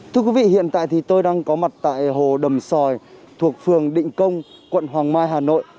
thưa quý vị hiện tại thì tôi đang có mặt tại hồ đầm sòi thuộc phường định công quận hoàng mai hà nội